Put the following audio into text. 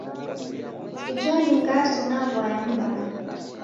Ijo ni ngasu na w'aya m'baa.